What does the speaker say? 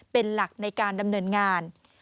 เป็นหลักในการดำเนินงาน